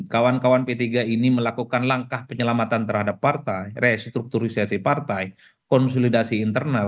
kawan kawan p tiga ini melakukan langkah penyelamatan terhadap partai restrukturisasi partai konsolidasi internal